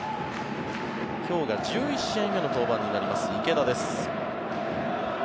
今日が１１試合目の登板になります池田です。